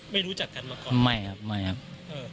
ไม่รู้จักกันมาก่อนนะครับไม่ครับครับอ๋อ